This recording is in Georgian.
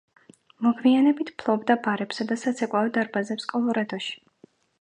მოგვიანებით ფლობდა ბარებსა და საცეკვაო დარბაზებს კოლორადოში.